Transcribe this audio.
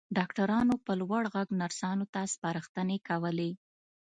ډاکټرانو په لوړ غږ نرسانو ته سپارښتنې کولې.